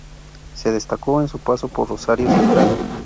Se destacó en su paso por Rosario Central.